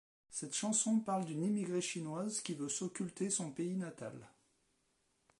Cette chanson parle d'une immigrée Chinoise qui veut s'occulter son pays natal.